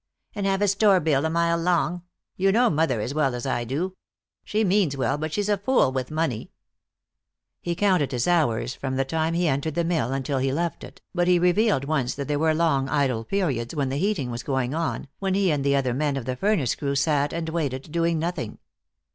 "And have a store bill a mile long! You know mother as well as I do. She means well, but she's a fool with money." He counted his hours from the time he entered the mill until he left it, but he revealed once that there were long idle periods when the heating was going on, when he and the other men of the furnace crew sat and waited, doing nothing.